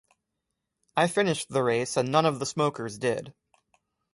I finished the race and none of the smokers did.